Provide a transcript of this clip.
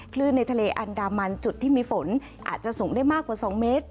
ในทะเลอันดามันจุดที่มีฝนอาจจะสูงได้มากกว่า๒เมตร